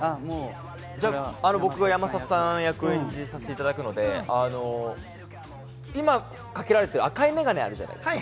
僕が山里さん役を演じさせていただくので、今かけられている赤いメガネあるじゃないですか。